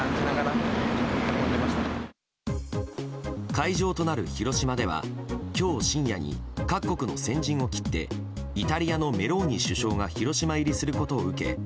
会場となる広島では今日深夜に、各国の先陣を切ってイタリアのメローニ首相が広島入りすることを受け